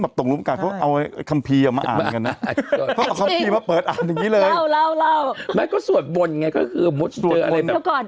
หรออังจิหรออังจิหรออังจิหรอ